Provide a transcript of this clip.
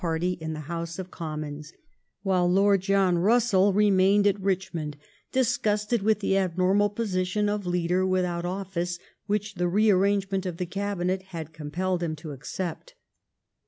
party in the House of Commons, while Lord John Bussell remained at Richmond, di« gnsted with the abnormal position of leader without office, which the rearrangement of the Cabinet had com pelled him to accept.